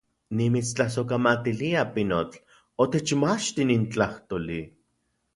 ¡Nimitstlasojkamatilia, pinotl, otechmachti nin tlajtoli!